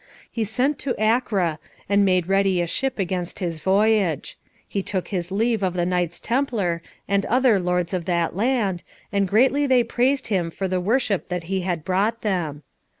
He sent to Acre, and made ready a ship against his voyage. He took his leave of the Knights Templar, and other lords of that land, and greatly they praised him for the worship that he had brought them.